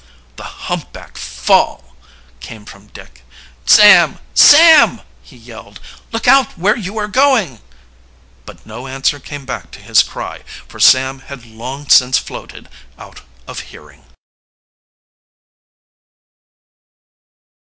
"The Humpback Fall!" came from Dick. "Sam! Sam!" he yelled; "look out where you are going!" But no answer came back to his cry, for Sam had long since floated out of hearing.